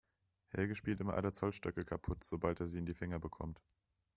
Helge spielt immer alle Zollstöcke kaputt, sobald er sie in die Finger bekommt.